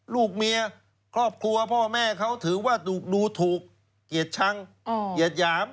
ลูกเมียครอบครัวพ่อแม่เขาถือว่าดูถูกเกียรติชังเกียดหยาม